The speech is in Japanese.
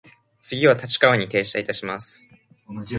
次は立川に停車いたします。